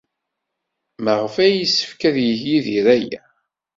Maɣef ay yessefk ad yeg Yidir aya?